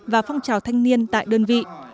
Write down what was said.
và phong trào thanh niên tại đơn vị